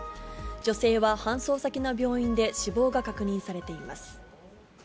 女性は搬送先の病院で死亡が確認されています。